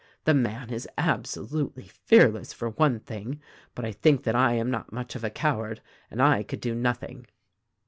The man is absolutely fearless, for one thing; but i think that I am not much of a coward, and I could do noth ing.